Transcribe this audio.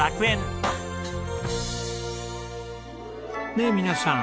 ねえ皆さん。